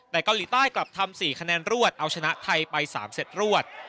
แต่เกาหลีใต้กลับทำ๔คะแนนรวดเอาชนะไทยไป๓เซตรวด